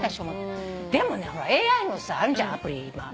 でもねほらＡＩもさあんじゃんアプリ今。